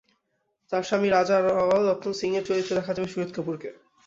তাঁর স্বামী রাজা রাওয়াল রতন সিংয়ের চরিত্রে দেখা যাবে শহিদ কাপুরকে।